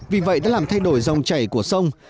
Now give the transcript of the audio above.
vì vậy đã làm thay đổi dòng chảy của sông